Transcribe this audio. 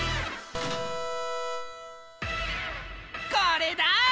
これだ！